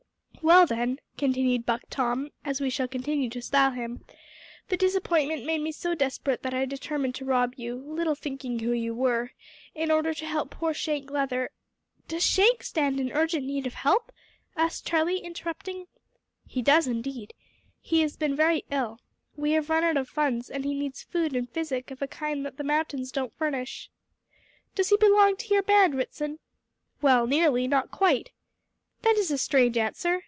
"Well, then," continued Buck Tom (as we shall still continue to style him), "the disappointment made me so desperate that I determined to rob you little thinking who you were in order to help poor Shank Leather " "Does Shank stand in urgent need of help?" asked Charlie, interrupting. "He does indeed. He has been very ill. We have run out of funds, and he needs food and physic of a kind that the mountains don't furnish." "Does he belong to your band, Ritson?" "Well nearly; not quite!" "That is a strange answer.